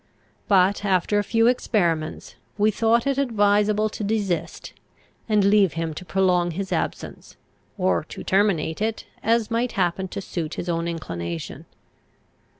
But, after a few experiments, we thought it advisable to desist, and leave him to prolong his absence, or to terminate it, as might happen to suit his own inclination.